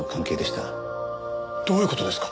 どういう事ですか？